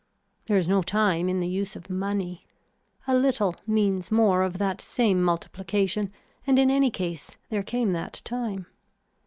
There is no time in the use of money. A little means more of that same multiplication and in any case there came that time.